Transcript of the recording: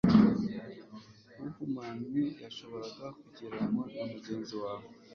Uhumanye yashoboraga kugereranywa na mugenzi wave?